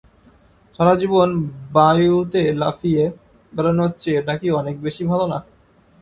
সারাজীবন বায়উতে লাফিয়ে বেড়ানোর চেয়ে এটা কি অনেক বেশি ভালো না?